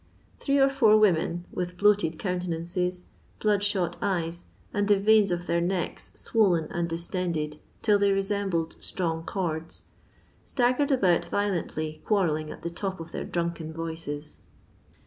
Three or four women, with bloated countenances, blood shot eyes, and the veins of their necks swollen and distended till they resembled strong cords, stag gered about violently quarrelling at the top of their drunken voices.